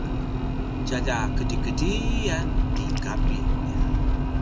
tjalja kedrikedriyan ti Kapi